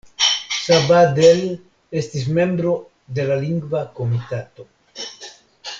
Sabadell estis membro de la Lingva Komitato.